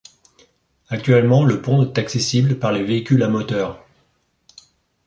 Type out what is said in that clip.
Actuellement le pont est accessible par les véhicules à moteurs.